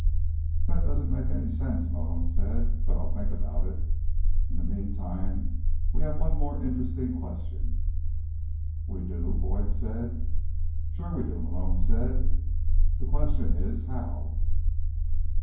"That doesn't make any sense," Malone said, "but I'll think about it. In the meantime, we have one more interesting question." "We do?" Boyd said. "Sure we do," Malone said. "The question is: how?"